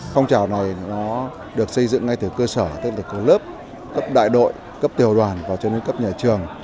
phong trào này nó được xây dựng ngay từ cơ sở tất cả các lớp cấp đại đội cấp tiểu đoàn và cho đến cấp nhà trường